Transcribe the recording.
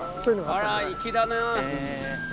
あら粋だな。